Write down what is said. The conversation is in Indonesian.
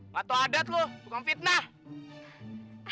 gak tau adat lo bukan fitnah